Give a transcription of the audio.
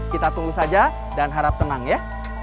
kita tunggu saja dan harap tenang ya